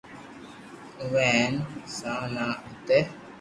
اُو وي ھين س نا ا تي